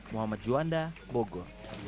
muhammad juanda bogo